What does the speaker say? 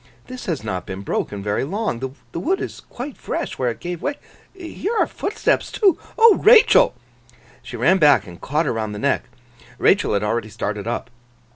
This has not been broken very long. The wood is quite fresh where it gave way. Here are footsteps too.—O Rachael!' She ran back, and caught her round the neck. Rachael had already started up.